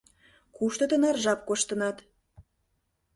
Кушто тынар жап коштынат?